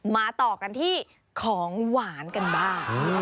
มาต่อกันที่ของหวานกันบ้าง